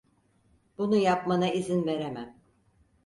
Bunu yapmana izin veremem.